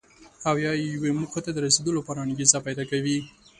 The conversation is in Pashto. او یا یوې موخې ته د رسېدو لپاره انګېزه پیدا کوي.